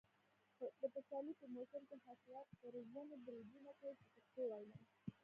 د پسرلي په موسم کې حشرات پر ونو بریدونه کوي په پښتو وینا.